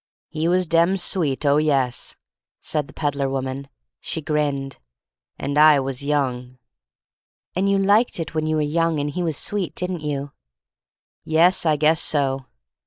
» "He was dem sweet — oh, yes," said the peddler woman. She grinned. "And I was young." "And you liked it when you were young and he was sweet, didn't you?" "Yes, I guess so.